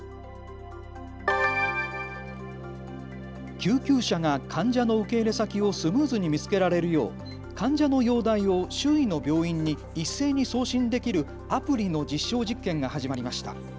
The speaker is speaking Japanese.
救急車が患者の受け入れ先をスムーズに見つけられるよう患者の容体を周囲の病院に一斉に送信できるアプリの実証実験が始まりました。